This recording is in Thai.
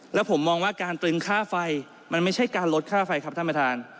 แล้วผมมองว่าการตรึงค่าไฟมันไม่ใช่การลดค่าไฟครับท่านประธาน